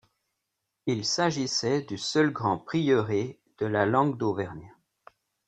Il s'agissait du seul grand prieuré de la langue d'Auvergne.